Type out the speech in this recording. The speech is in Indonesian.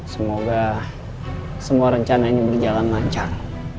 semoga semua rencananya berjalan lancar